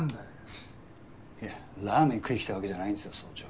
ふふっいやラーメン食いに来たわけじゃないんすよ総長。